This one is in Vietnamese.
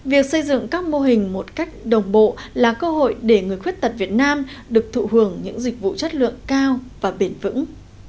việc xây dựng các mô hình một cách đồng bộ là cơ hội để người khuyết tật việt nam được thụ hưởng những dịch vụ chất lượng cao và bền vững